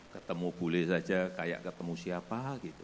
ketemu bule saja kayak ketemu siapa